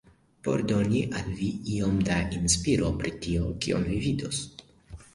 Por doni al vi iom da inspiro pri tio, kion vi vidos